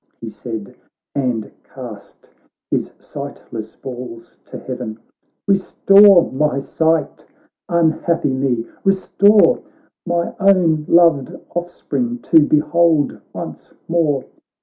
' He said, and cast his sightless balls to heaven, ' Restore my sight, unhappy me, restore My own loved offspring, to behold once more